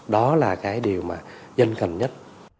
đó là cái điều mà dân cần nhất